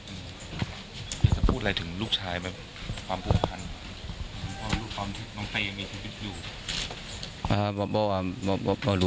หรือความที่น้องเตยังมีชีวิตอยู่